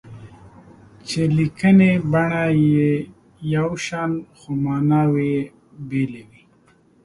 چې لیکني بڼه یې یو شان خو ماناوې یې بېلې وي.